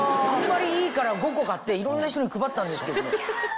あんまりいいから５個買っていろんな人に配ったんですけどね。